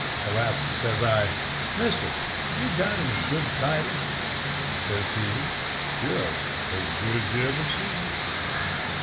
At last says I, "Mister, have you got any good cider?" Says he, "Yes, as good as ever ye see."